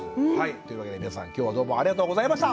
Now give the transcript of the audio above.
というわけで皆さん今日はどうもありがとうございました。